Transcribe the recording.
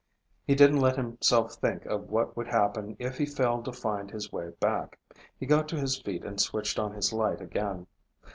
He didn't let himself think of what would happen if he failed to find his way back. He got to his feet and switched on his light again.